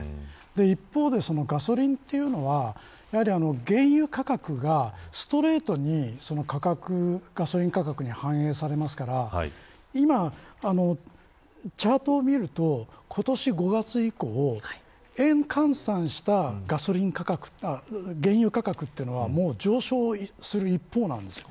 一方で、ガソリンというのは原油価格がストレートにガソリン価格に反映されますから今、チャートを見ると今年５月以降円換算した原油価格というのはもう上昇する一方なんですよ。